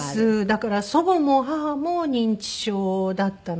だから祖母も母も認知症だったので。